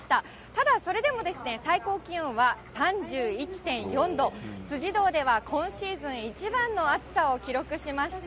ただそれでも最高気温は３１．４度、辻堂では今シーズン一番の暑さを記録しました。